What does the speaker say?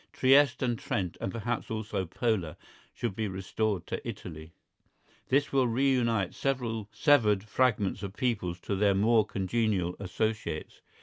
Trieste and Trent, and perhaps also Pola, should be restored to Italy. This will re unite several severed fragments of peoples to their more congenial associates.